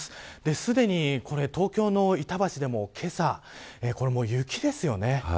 すでに東京の板橋でもけさ、もう雪ですよね。